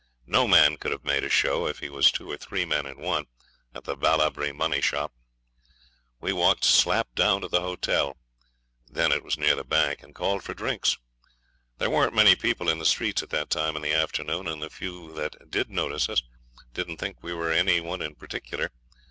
No man could have had a show, if he was two or three men in one, at the Ballabri money shop. We walked slap down to the hotel then it was near the bank and called for drinks. There weren't many people in the streets at that time in the afternoon, and the few that did notice us didn't think we were any one in particular.